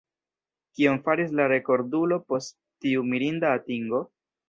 Kion faris la rekordulo post tiu mirinda atingo?